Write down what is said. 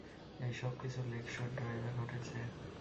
এই সব কিছু লেক শোর ড্রাইভে ঘটেছে?